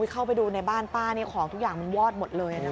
เข้าไปดูในบ้านป้านี่ของทุกอย่างมันวอดหมดเลยนะคะ